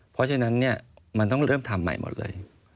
เพราะฉะนั้นเนี่ยมันต้องเริ่มทำใหม่หมดเลย